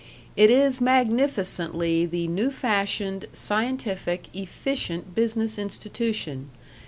It is magnificently the new fashioned, scientific, efficient business institution....